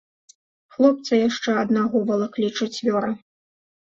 Хлопца яшчэ аднаго валаклі чацвёра.